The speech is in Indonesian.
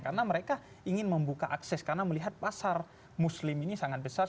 karena mereka ingin membuka akses karena melihat pasar muslim ini sangat besar